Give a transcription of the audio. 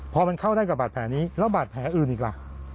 พอมันเข้าได้กับบาดแผลนี้แล้วบาดแผลอื่นอีกล่ะ